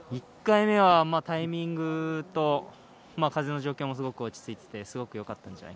１回目はタイミングと風の状況もすごく落ち着いていてよかったん